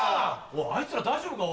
おっあいつら大丈夫か？